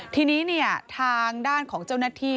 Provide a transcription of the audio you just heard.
ทีนี้ทางด้านของเจ้าหน้าที่